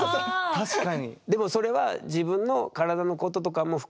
確かに。